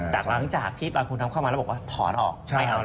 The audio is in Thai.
หลังจากที่ตอนคุณทำเข้ามาแล้วบอกว่าถอนออกไม่เอาแล้ว